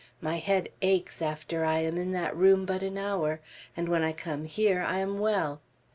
My head aches after I am in that room but an hour, and when I come here I am well.